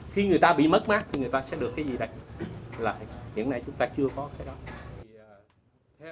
khi người ta bị mất mát thì người ta sẽ được cái gì đấy là hiện nay chúng ta chưa có cái đó